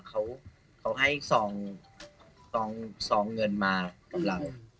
เขาให้ซองเงินมากับเรา